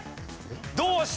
どうした？